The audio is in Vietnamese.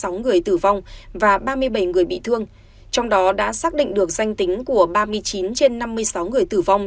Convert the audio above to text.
trong sáu người tử vong và ba mươi bảy người bị thương trong đó đã xác định được danh tính của ba mươi chín trên năm mươi sáu người tử vong